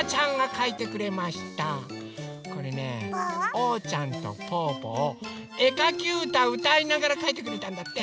おうちゃんとぽぅぽをえかきうたうたいながらかいてくれたんだって。